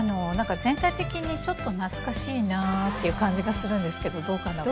全体的にちょっと懐かしいなっていう感じがするんですけどどうかな？って。